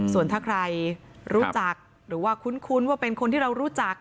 ส่วนถ้าใครรู้จักหรือว่าคุ้นว่าเป็นคนที่เรารู้จัก